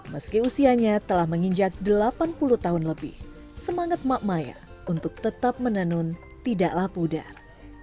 meski usianya telah menginjak delapan puluh tahun lebih semangat mak maya untuk tetap menenun tidaklah pudar